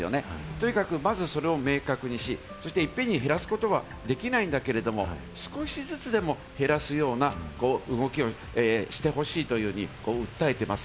とにかくまず、それを明確にし、いっぺんに減らすことはできないんだけれども、少しずつでも減らすような動きをしてほしいというふうに訴えています。